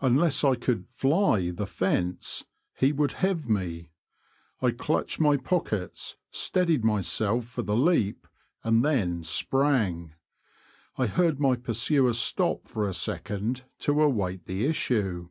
Un less I could '^ fly " the fence he would have me. I clutched my pockets, steadied myself for the leap — and then sprang. I heard my pursuer stop for a second to await the issue.